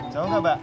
jauh gak mbak